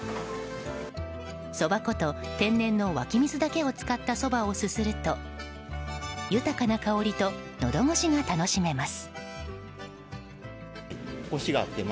そば粉と天然の湧き水だけを使ったそばをすすると豊かな香りとのどごしが楽しめます。